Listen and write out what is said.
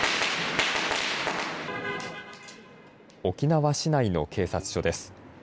沖縄市内の警察署です。